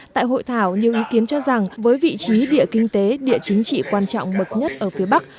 tại hội thảo nhiều ý kiến cho rằng với vị trí địa kinh tế địa chính trị quan trọng bậc nhất ở phía bắc